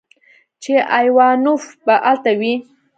چې ايوانوف به الته وي.